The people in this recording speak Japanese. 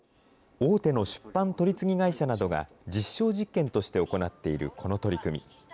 大手の出版取り次ぎ会社などが実証実験として行っているこの取り組み。